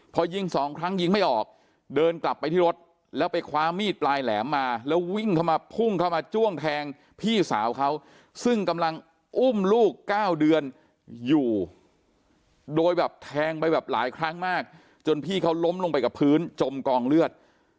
พอยิงสองครั้งยิงไม่ออกเดินกลับไปที่รถแล้วไปคว้ามีดปลายแหลมมาแล้ววิ่งเข้ามาพุ่งเข้ามาจ้วงแทงพี่สาวเขาซึ่งกำลังอุ้มลูก๙เดือนอยู่โดยแบบแทงไปแบบหลายครั้งมากจนพี่เขาล้มลงไปกับพื้นจมกองเลือด